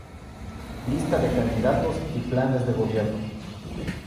Lista de candidatos y planes de gobierno.